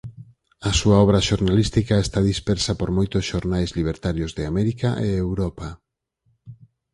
A súa obra xornalística está dispersa por moitos xornais libertarios de América e Europa.